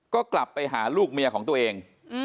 ก็กลับไปหาลูกเมียของตัวเอง